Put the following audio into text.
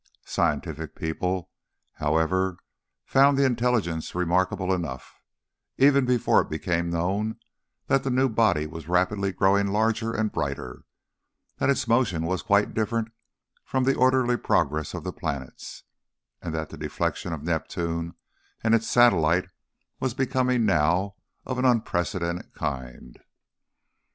Scientific people, however, found the intelligence remarkable enough, even before it became known that the new body was rapidly growing larger and brighter, that its motion was quite different from the orderly progress of the planets, and that the deflection of Neptune and its satellite was becoming now of an unprecedented kind.